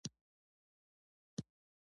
غوږونه له قران تلاوت نه ژاړي